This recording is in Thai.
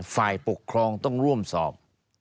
ฝ่ายปกครองต้องร่วมสอบ